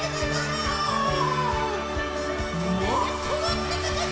もっともっとたかく！